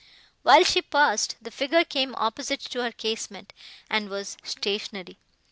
While she paused, the figure came opposite to her casement, and was stationary.